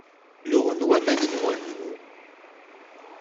Luɣen waman n wannu.